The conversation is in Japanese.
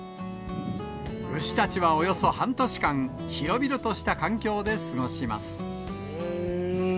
牛たちはおよそ半年間、広々とした環境で過ごします。